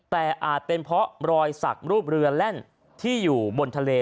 แต่อาจเป็นเพราะรอยสักรูปเรือแล่นที่อยู่บนทะเล